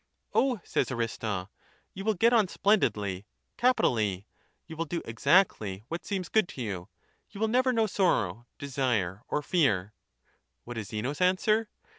O, says Aristo, you will get on splendidly, capitally; you will do exactly what seems good to you ; you will never know sorrow, desire or fear. rO What is Zeno's answer